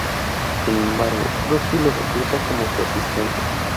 Sin embargo, Krusty lo recluta como su asistente.